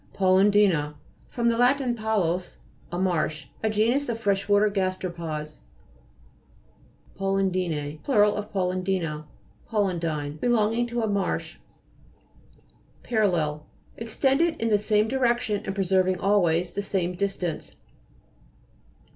PALUDI'NA fr. lat. palus, a marsh. A genus of fresh water gasteropods. PALUDI'ITE Plur. of paludina. PALUDINE Belonging to a marsh. PARALLEL Extended in the same direction and preserving always the same distance.